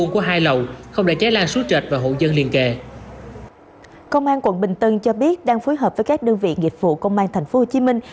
công an quận bình tân cho biết đang phối hợp với các đơn vị nghiệp vụ công an thành phố hồ chí minh